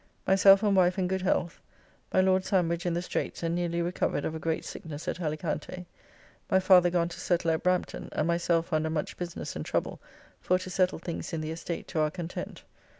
Myself and wife in good health. My Lord Sandwich in the Straits and newly recovered of a great sickness at Alicante. My father gone to settle at Brampton, and myself under much business and trouble for to settle things in the estate to our content.